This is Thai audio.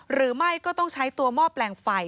หรือไม่ก็ต้องใช้ตัวหม้อแปลงไฟ